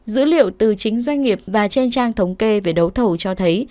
dữ liệu từ chính doanh nghiệp và trên trang thống kê về đấu thầu cho thấy